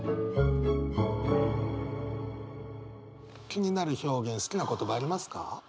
気になる表現好きな言葉ありますか？